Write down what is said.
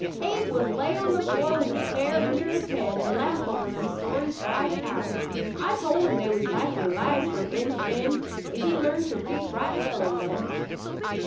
Abe would lay on the floor with a chair under his head, and laugh over them stories by the hour. I told him they was likely lies from end to end; but he learned to read right well in them."